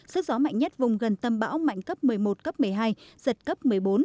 sức gió mạnh nhất vùng gần tâm bão mạnh cấp một mươi một cấp một mươi hai giật cấp một mươi bốn